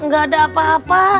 gak ada apa apa